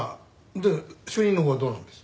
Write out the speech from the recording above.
で主任のほうはどうなんです？